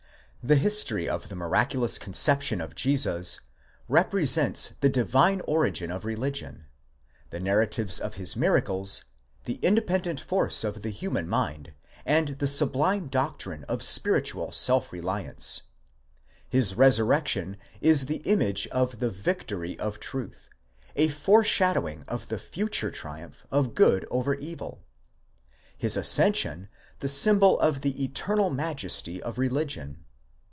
The history of the miraculous conception of Jesus represents the divine origin of religion; the narratives of his miracles, the independent force of the human mind, and the sublime doctrine of spiritual self reliance ; his resurrection is the image of the victory of truth, a fore shadowing of the future triumph of good over evil; his ascension, the symbol of the eternal majesty of religion.